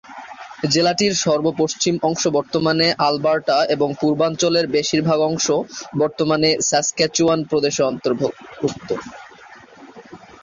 জেলাটির সর্ব পশ্চিম অংশ বর্তমানে আলবার্টা এবং পূর্বাঞ্চলের বেশীর ভাগ অংশ বর্তমানে সাসক্যাচুয়ান প্রদেশের অন্তর্গত।